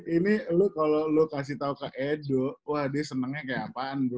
ini lo kalau lo kasih tau ke edo wah dia senangnya kayak apaan bu